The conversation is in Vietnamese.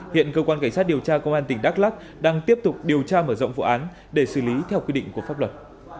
hiện cơ quan cảnh sát điều tra công an tỉnh đắk lắc đang tiếp tục điều tra mở rộng vụ án để xử lý theo quy định của pháp luật